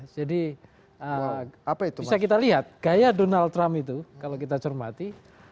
jadi bisa kita lihat gaya donald trump itu kalau kita cermati